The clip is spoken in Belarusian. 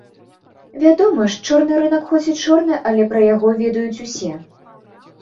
Вядома ж, чорны рынак хоць і чорны, але пра яго ведаюць усе.